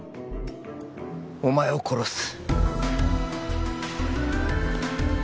お前を殺す